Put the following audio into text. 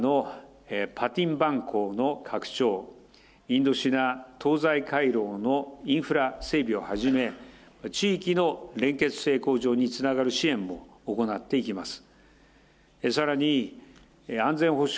インドネシアのパティンバン港の拡張、インドシナ東西かいろうのインフラ整備をはじめ、地域の連結せい向上につながる支援も行っていきます。